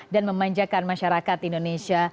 dan memanjakan masyarakat indonesia